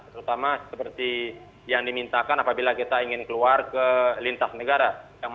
terutama seperti yang dimintakan apabila kita ingin keluar ke lintas negara